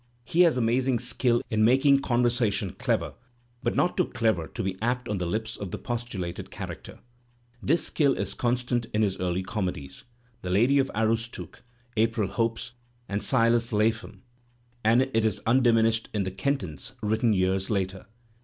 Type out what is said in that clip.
He has amazing skill in making conversation clever, but not too clever to be ap t on the lips of tne po stulated character. This skill is constant in his early comedies, "The Lady of the Aroostook," "April Hopes" and "Silas Lapham" and it is undiminished in "The Kentons," written years later.